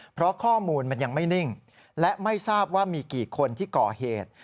เพราะข้อมูลมันยังไม่นิ่งและไม่ทราบว่ามีกี่คนที่ก่อเหตุ